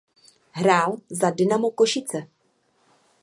Hrál za Dynamo Košice.